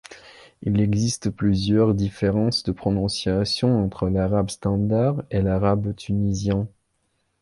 Il existe plusieurs différences de prononciation entre l'arabe standard et l'arabe tunisien.